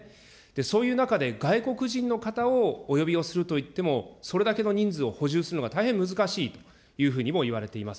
そういう中で、外国人の方をお呼びをするといっても、それだけの人数を補充するのが大変難しいというふうにもいわれています。